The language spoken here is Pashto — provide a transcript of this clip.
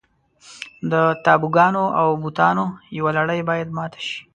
د تابوګانو او بوتانو یوه لړۍ باید ماته شي.